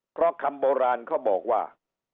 เพราะคำโบราณเขาบอกว่า